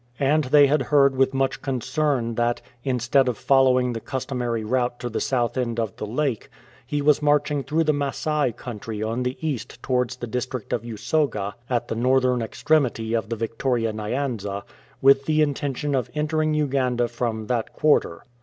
And they had heard with much concern that, instead of following the customary route to the south end of the lake, he was marching through the Masai country on the east towards the district of Usoga at the northern extremity of the Victoria Nyanza, with the intention of entering Uganda from that quarter.